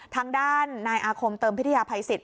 ทางด้านนายอาคมเติมพิทยาภัยสิทธ